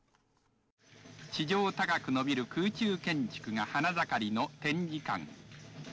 地上高く伸びる空中建築が花盛りの展示館。